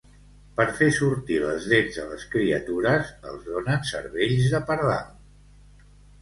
Per fer sortir les dents a les criatures, els donen cervells de pardal.